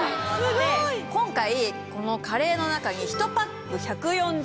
今回このカレーの中に。